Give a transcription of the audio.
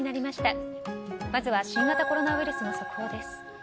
まずは新型コロナウイルスの速報です。